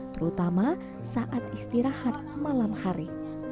terutama saat istirahat malam hari